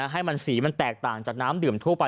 ให้มันสีมันแตกต่างจากน้ำดื่มทั่วไป